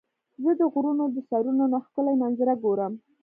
زه د غرونو د سرونو نه ښکلي منظره ګورم.